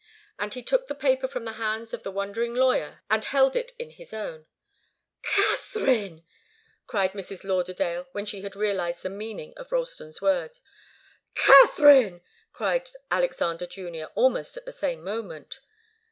And he took the paper from the hands of the wondering lawyer, and held it in his own. "Katharine!" cried Mrs. Lauderdale, when she had realized the meaning of Ralston's words. "Katharine!" cried Alexander Junior, almost at the same moment.